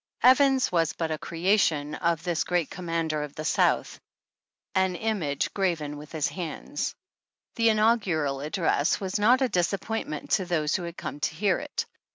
Evans was but a crea 17 tion of this great Commoner of the South, an image graven with his hands. The inaugural address was not a disappointment to those who had come to hear it.